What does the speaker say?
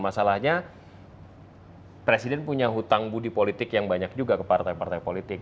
masalahnya presiden punya hutang budi politik yang banyak juga ke partai partai politik